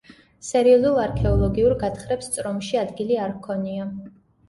სერიოზულ არქეოლოგიურ გათხრებს წრომში ადგილი არ ჰქონია.